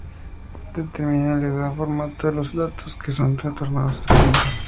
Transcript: Determina y le da formato a los datos que son retornados al cliente.